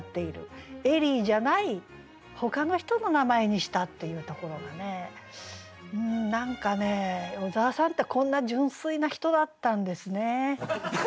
エリーじゃないほかの人の名前にしたっていうところが何かね小沢さんってこんな純粋な人だったんですね。